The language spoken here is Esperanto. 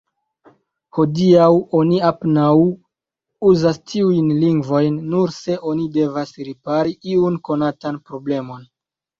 Hodiaŭ oni apenaŭ uzas tiujn lingvojn, nur se oni devas ripari iun konatan problemon.